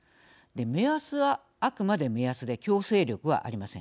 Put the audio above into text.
目安はあくまで目安で強制力はありません。